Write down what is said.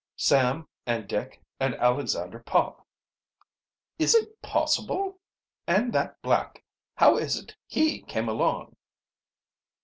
"Sam and Dick and Alexander Pop." "Is it possible! And that black, how is it he came along?"